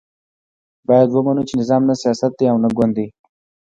باید ومنو چې نظام نه سیاست دی او نه ګوند دی.